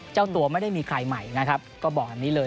เจ้าตัวไม่ได้มีใครใหม่นะครับก็บอกแบบนี้เลย